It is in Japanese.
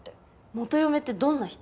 元嫁ってどんな人？